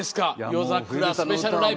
「夜桜スペシャルライブ」。